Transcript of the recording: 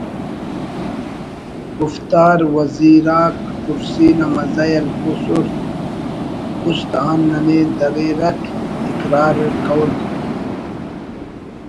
گُفتار وزیر آک کُرسی نا مزہ ءِ ہلکُر اُست آن ننے دریرک اقرار ءِ قول